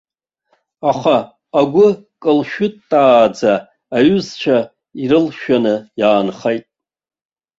Аха агәы кылшәытааӡа, аҩызцәа ирылшәаны иаанхеит.